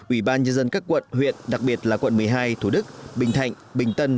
ủy ban nhân dân các quận huyện đặc biệt là quận một mươi hai thủ đức bình thạnh bình tân